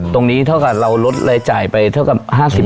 เท่ากับเราลดรายจ่ายไปเท่ากับ๕๐